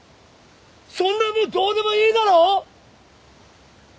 そんなもんどうでもいいだろ！